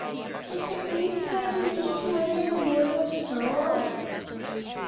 Is there anything I can do to win an immortal soul?"